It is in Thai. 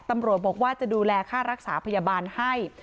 ตำรวจบอกว่าจะดูแลค่ารักษาพยาบาลให้